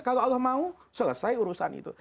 kalau allah mau selesai urusan itu